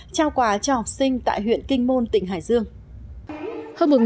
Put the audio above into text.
trao quà cho học sinh tại huyện kinh môn tỉnh hải dương